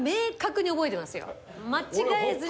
間違えずに。